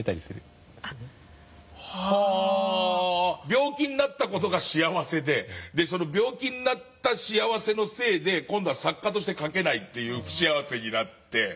病気になった事が幸せで病気になった幸せのせいで今度は作家として書けないという不幸せになって。